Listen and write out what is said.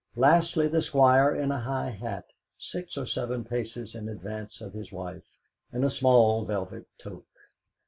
Lastly, the Squire in a high hat, six or seven paces in advance of his wife, in a small velvet toque.